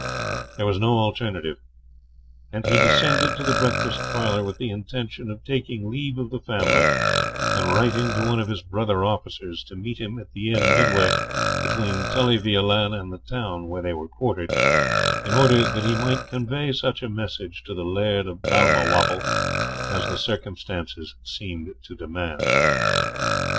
There was no alternative; and he descended to the breakfast parlour with the intention of taking leave of the family, and writing to one of his brother officers to meet him at the inn midway between Tully Veolan and the town where they were quartered, in order that he might convey such a message to the Laird of Balmawhapple as the circumstances seemed to demand.